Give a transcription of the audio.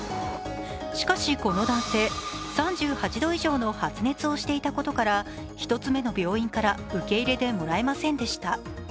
しかしこの男性、３８度以上の発熱をしていたところから１つ目の病院から受け入れてもらえませんでした。